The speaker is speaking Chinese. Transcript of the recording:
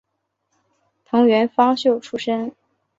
藤原芳秀出身。